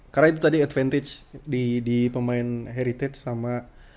karena itu tadi advantage di pemain heritage sama